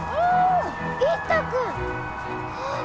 ああ！